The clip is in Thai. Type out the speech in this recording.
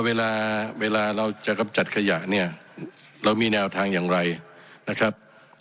เวลาเวลาเราจะกำจัดขยะเนี่ยเรามีแนวทางอย่างไรนะครับ